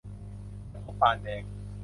จะพบปานแดง